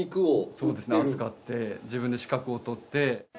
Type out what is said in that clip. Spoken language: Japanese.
そうですね扱って自分で資格を取って。